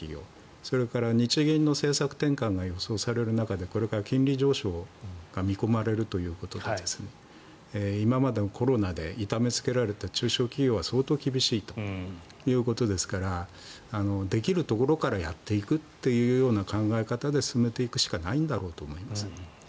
それから日銀の政策転換が予想される中でこれから金利上昇が見込まれるということで今までコロナで痛めつけられた中小企業は相当、厳しいということですからできるところからやっていくという考え方で進めていくしかないんだろうと思いますね。